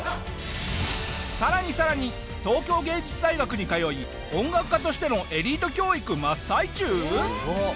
さらにさらに東京藝術大学に通い音楽家としてのエリート教育真っ最中！？